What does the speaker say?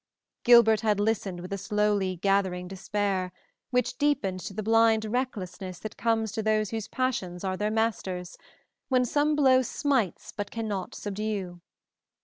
Gilbert had listened with a slowly gathering despair, which deepened to the blind recklessness that comes to those whose passions are their masters, when some blow smites but cannot subdue.